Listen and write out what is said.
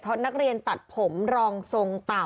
เพราะนักเรียนตัดผมรองทรงเต่า